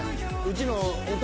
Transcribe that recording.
うちの。